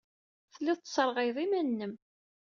Tellid tesserɣayed iman-nnem.